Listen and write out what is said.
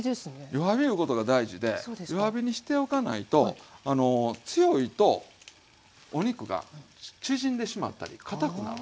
弱火いうことが大事で弱火にしておかないと強いとお肉が縮んでしまったりかたくなるんですよ。